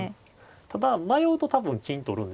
ただ迷うと多分金取るんですよ。